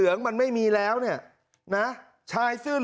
มึงอยากให้ผู้ห่างติดคุกหรอ